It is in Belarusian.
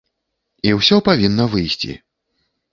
І ўсё павінна выйсці.